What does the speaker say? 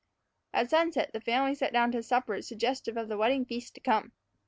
At sunset the family sat down to a supper suggestive of the wedding feast to come.